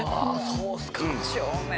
そうっすか。